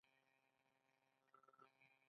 آیا روغتیايي سکتور پیسې ګټي؟